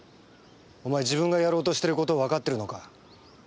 自分がやろうとしてることをわかってるのか？